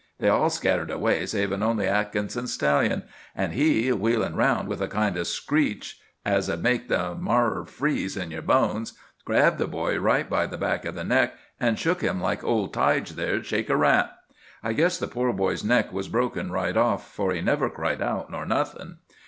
They all scattered away savin' only Atkinson's stallion; an' he, wheelin' round with a kind of screech as'd make the marrer freeze in your bones, grabbed the boy right by the back of the neck, an' shook him like old Tige there'd shake a rat. I guess the poor boy's neck was broke right off, for he never cried out nor nothin'.